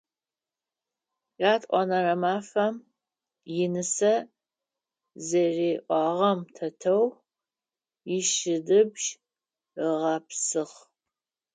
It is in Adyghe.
Ятӏонэрэ мафэм инысэ зэриӏуагъэм тетэу ищыдыбжь ыгъэпсыгъ.